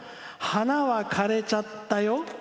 花は枯れちゃったよ。